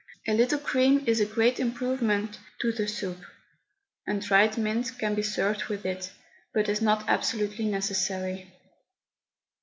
A little cream is a great improvement to the soup, and dried mint can be served with it, but is not absolutely necessary.